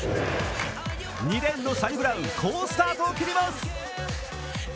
２レーンのサニブラウン、好スタートを切ります。